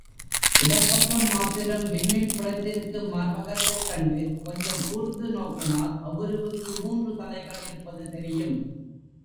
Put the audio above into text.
இடப்பக்கம் மாத்திரம் விம்மிப் புடைத்திருக்கும் மார்பகத்தைக் கண்டு கொஞ்சம் கூர்ந்து நோக்கினால் அவ்வுருவுக்கு மூன்று தலைகள் இருப்பதும் தெரியும்.